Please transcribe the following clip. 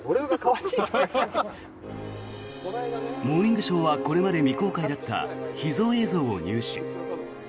「モーニングショー」はこれまで未公開だった秘蔵映像を入手。